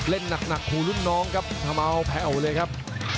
เล่นนักครูลุ่นน้องครับทำเอาแผลเลยครับ